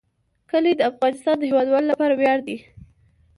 کلي د افغانستان د هیوادوالو لپاره ویاړ دی.